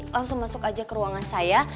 langsung masuk aja ke ruangan saya